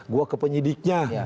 gue ke penyidiknya